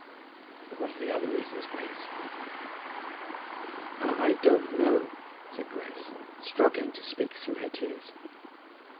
"And what are the other reasons, Grace?" "I don't know," said Grace, struggling to speak through her tears.